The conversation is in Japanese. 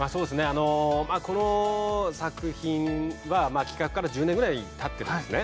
あのまあこの作品は企画から１０年ぐらいたってるんですね